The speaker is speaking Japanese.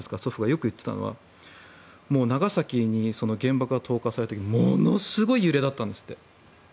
よく言っていたのは長崎に原爆が投下された時ものすごい揺れだったんですって。